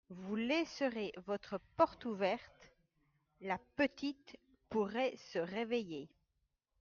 Vous laisserez votre porte ouverte… la petite pourrait se réveiller…